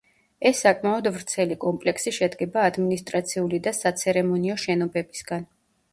ეს საკმაოდ ვრცელი კომპლექსი შედგება ადმინისტრაციული და საცერემონიო შენობებისგან.